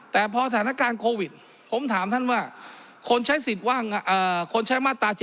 แต่พอฐานการณ์โควิดผมถามท่านว่าคนใช้มาตร๗๕